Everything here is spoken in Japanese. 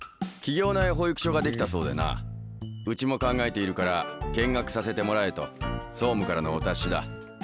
企業内保育所ができたそうでなうちも考えているから見学させてもらえと総務からのお達しだ。